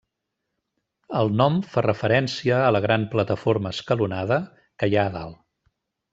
El nom fa referència a la gran plataforma escalonada que hi ha a dalt.